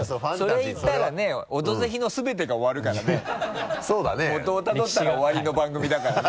それ言ったらね「オドぜひ」の全てが終わるからねそうだね。もとをたどったら終わりの番組だからね。